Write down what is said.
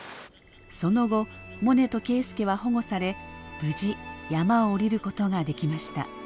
その後モネと圭輔は保護され無事山を下りることができました。